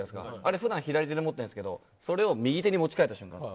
普段、左手で持ってるんですがそれを右手に持ち替えた瞬間です。